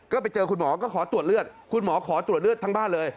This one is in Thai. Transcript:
ก็ไปเจอคุณหมอก็ขอตรวจเลือดคุณหมอขอตรวจเลือดทั้งบ้านเลย